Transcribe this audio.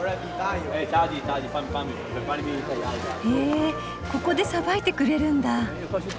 へえここでさばいてくれるんだ。